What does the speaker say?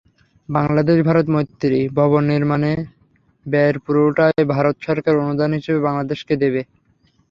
বাংলাদেশ-ভারত মৈত্রী ভবন নির্মাণে ব্যয়ের পুরোটাই ভারত সরকার অনুদান হিসেবে বাংলাদেশকে দেবে।